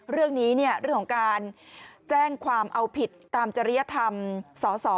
เรื่องนี้เรื่องของการแจ้งความเอาผิดตามจริยธรรมส่อ